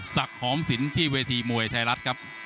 ศักดิ์หอมศิลป์ที่เวทีมวยไทยรัฐ